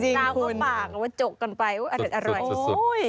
ซาวก็ปากจกกันไปอร่อยคุณสุด